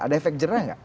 ada efek jerah nggak